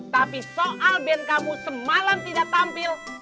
tapi soal band kamu semalam tidak tampil